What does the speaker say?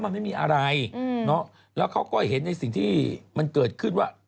มันไม่มีอะไรแล้วเขาก็เห็นในสิ่งที่มันเกิดขึ้นว่า